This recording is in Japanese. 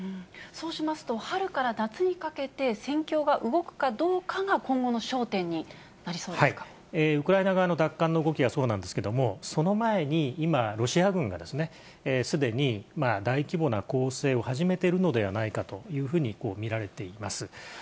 そうしますと、春から夏にかけて戦況が動くかどうかが、ウクライナ側の奪還の動きはそうなんですけれども、その前に今、ロシア軍が、すでに大規模な攻勢を始めているのではないかというふうに見られています。